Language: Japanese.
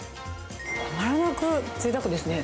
たまらなくぜいたくですね。